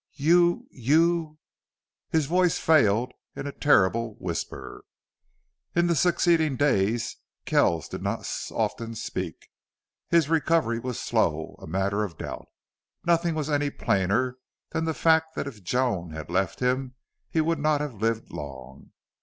"You you " His voice failed in a terrible whisper.... In the succeeding days Kells did not often speak. His recovery was slow a matter of doubt. Nothing was any plainer than the fact that if Joan had left him he would not have lived long.